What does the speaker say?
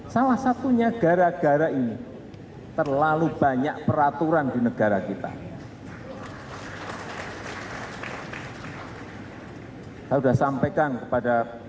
salah satunya gara gara ini terlalu banyak peraturan di negara kita